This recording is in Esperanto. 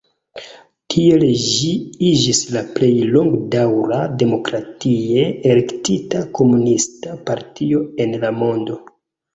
Tiel ĝi iĝis la plej longdaŭra demokratie elektita komunista partio en la mondo.